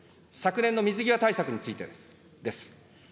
昨年の水際対策についてです。